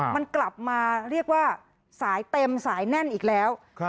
มันกลับมาเรียกว่าสายเต็มสายแน่นอีกแล้ว